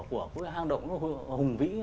của hang động nó hùng vĩ